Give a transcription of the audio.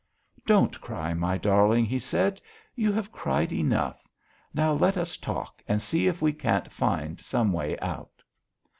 "Don't cry, my darling," he said. "You have cried enough.... Now let us talk and see if we can't find some way out."